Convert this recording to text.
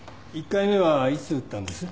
１回目はいつ打ったんです？